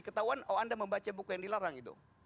ketahuan oh anda membaca buku yang dilarang itu